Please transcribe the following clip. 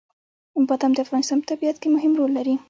بادام د افغانستان په طبیعت کې مهم رول لري.